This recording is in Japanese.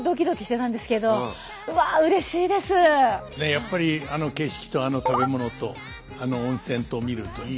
やっぱりあの景色とあの食べ物とあの温泉とを見るといいなと。